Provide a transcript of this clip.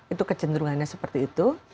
itu kecenderungannya seperti itu